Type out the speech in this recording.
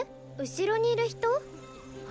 後ろにいる人？